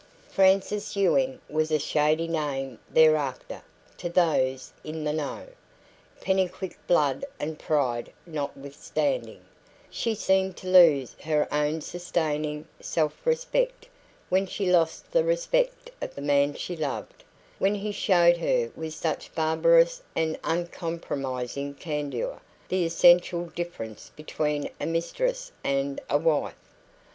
Frances Ewing was a shady name thereafter, to those "in the know". Pennycuick blood and pride notwithstanding, she seemed to lose her own sustaining self respect when she lost the respect of the man she loved when he showed her with such barbarous and uncompromising candour the essential difference between a mistress and a wife.